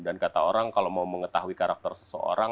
dan kata orang kalau mau mengetahui karakter seseorang